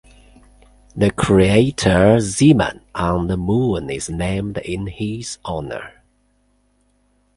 The crater Zeeman on the Moon is named in his honour.